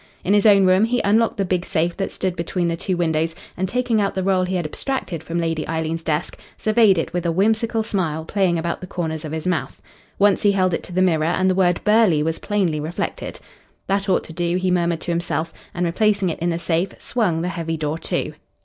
In his own room, he unlocked the big safe that stood between the two windows, and taking out the roll he had abstracted from Lady Eileen's desk, surveyed it with a whimsical smile playing about the corners of his mouth. Once he held it to the mirror, and the word "Burghley" was plainly reflected. "That ought to do," he murmured to himself, and, replacing it in the safe, swung the heavy door to.